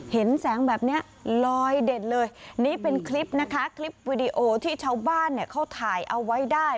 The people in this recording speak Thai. เห็นแสงแบบนี้ลอยเด่นเลยนี่เป็นคลิปนะคะคลิปวิดีโอที่ชาวบ้านเนี่ยเขาถ่ายเอาไว้ได้